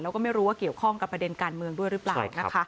แล้วก็ไม่รู้ว่าเกี่ยวข้องกับประเด็นการเมืองด้วยหรือเปล่านะคะ